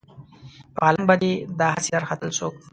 په پالنګ به دې دا هسې درختل څوک